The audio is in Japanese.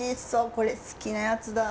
これ好きなやつだ！